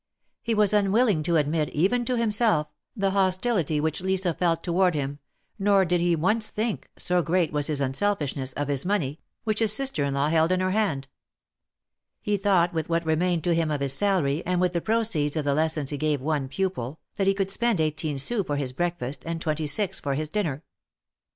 He was unwilling to admit, even to himself, the hostility which Lisa felt toward him, nor did he once think, so great was his unselfishness, of his money, which his sister in law held in her hand. He thought with what remained to him of his salary, and with the proceeds of the lessons he gave one pupil, that he could spend eighteen sous for his breakfast, and twenty six for his dinner.